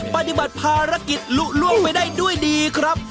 ปฏิบัติภารกิจลุล่วงไปได้ด้วยดีครับ